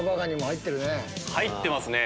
入ってますね。